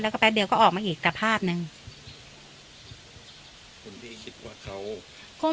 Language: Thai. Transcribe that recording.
แล้วก็แป๊บเดี๋ยวก็ออกมาอีกกระพาดหนึ่งคุณพี่คิดว่าเขา